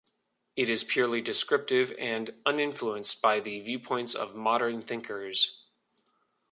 It is purely descriptive and uninfluenced by the viewpoints of modern thinkers.